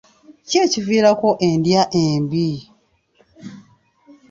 Ki ekiviirako endya embi?